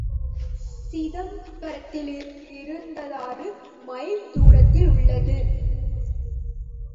சிதம்பரத்திலிருந்து இருபத்தாறு மைல் தூரத்தில் உள்ளது.